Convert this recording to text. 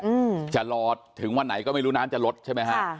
อืมจะรอถึงวันไหนก็ไม่รู้น้ำจะลดใช่ไหมฮะค่ะ